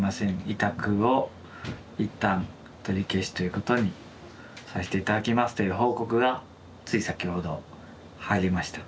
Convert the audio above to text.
委託を一旦取り消しということにさして頂きます」という報告がつい先ほど入りました。